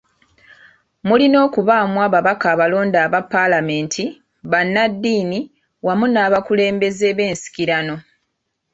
Mulina okubaamu ababaka abalonde aba Paalamenti, bannaddiini wamu n'abakulembeze b'ensikirano.